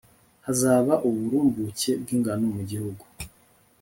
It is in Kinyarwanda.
hazaba uburumbuke bw'ingano mu gihugu